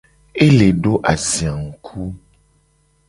E le do azia ngku.